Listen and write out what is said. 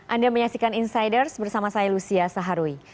anda menyaksikan insiders bersama saya lucia saharwi